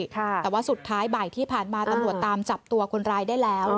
แต่ว่าสุดท้ายบ่ายที่ผ่านมาตำรวจตามจับตัวคนร้ายได้แล้ว